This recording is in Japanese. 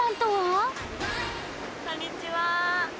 こんにちは。